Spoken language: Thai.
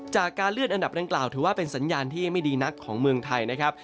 จากการเลื่อนอันดับดังกล่าวถือว่าเป็นสัญญาณที่ไม่ดีนักของเมืองไทยนะครับ